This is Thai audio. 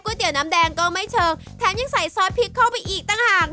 เตี๋ยน้ำแดงก็ไม่เชิงแถมยังใส่ซอสพริกเข้าไปอีกต่างหาก